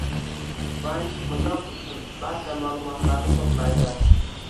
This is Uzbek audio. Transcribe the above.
Bank mijoz uchun barcha ma'lumotlarni to'playdi